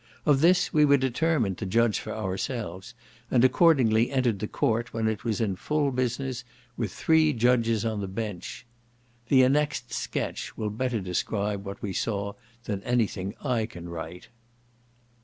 Of this we were determined to judge for ourselves, and accordingly entered the court when it was in full business, with three judges on the bench. The annexed sketch will better describe what we saw than any thing I can write.